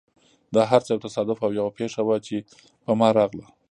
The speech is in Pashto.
دا هر څه یو تصادف او یوه پېښه وه، چې په ما راغله.